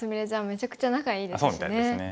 めちゃくちゃ仲いいですしね。